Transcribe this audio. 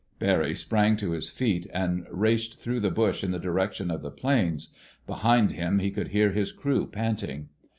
Barry sprang to his feet and raced through the bush, in the direction of the planes. Behind him he could hear his crew panting.